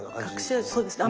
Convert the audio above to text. そうですね。